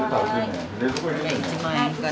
じゃ１万円から。